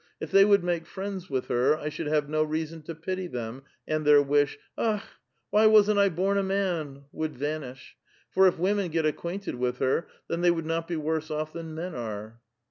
If thev would make friends with her, I should have no reason to pity them and their wish ' Akh, why wasn't I born a man!' would vanish; for if women get acquainted with her, then they would not be worse off than men are."